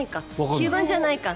吸盤じゃないか。